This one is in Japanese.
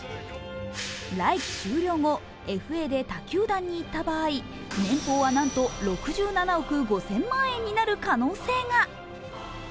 来季終了後、ＦＡで他球団に行った場合年俸はなんと６７億５０００万円になる可能性が。